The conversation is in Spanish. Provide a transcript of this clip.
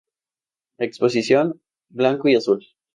Exposición Blanco y azul.